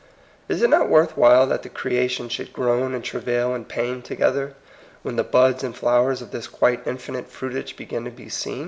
Is it not worth while that the creation should ^^ groan and travail in pain to gether," when the buds and flowers of this quite infinite fruitcige begin to be seen